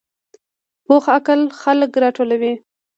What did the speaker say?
پوخ عقل خلک راټولوي